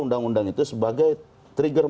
undang undang itu sebagai trigger